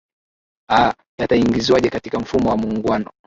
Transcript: a yataingizwaje katika mfumo wa muungano